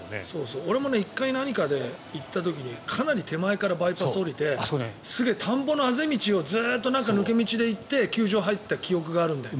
俺も１回何かで行った時にかなり手前からバイパスを降りて田んぼのあぜ道をずっと抜け道で行って球場に入った記憶があるんだよね。